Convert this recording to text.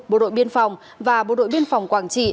bộ đội biên phòng và bộ đội biên phòng quảng trị